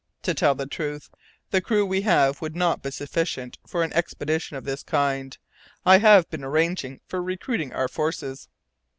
To tell the truth, the crew we have would not be sufficient for an expedition of this kind. I have been arranging for recruiting our forces."